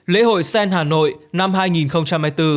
lễ hội sen hà nội năm hai nghìn hai mươi bốn